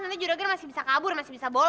nanti juragan masih bisa kabur masih bisa bolos